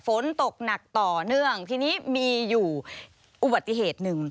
ฝนตกหนักต่อเนื่องทีนี้มีอยู่อุบัติเหตุหนึ่ง